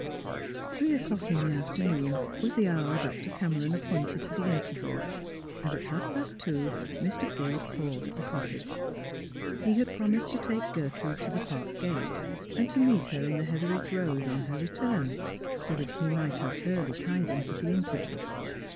Three o'clock in the afternoon was the hour Dr. Cameron appointed for the interview, and at half past two Mr. Forde called at the cottage. He had promised to take Gertrude to the park gate, and to meet her in the Hetheridge road on her return, so that he might have early tidings of the interview.